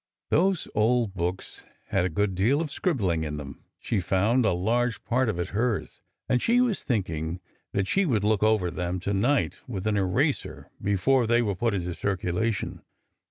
Those old books had a good deal of scribbling in them, she found,— a large part of it hers, — and she was thinking that she would look them over to night with an eraser before they were put into circulation.